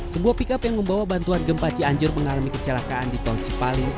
sebuah pickup yang membawa bantuan gempa cianjur mengalami kecelakaan di tol cipali